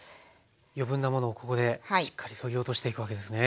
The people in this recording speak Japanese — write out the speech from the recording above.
余分なものをここでしっかりそぎ落としていくわけですね。